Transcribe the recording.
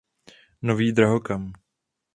Nový drahokam.